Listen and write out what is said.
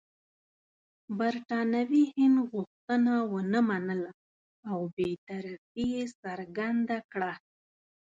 برټانوي هند غوښتنه ونه منله او بې طرفي یې څرګنده کړه.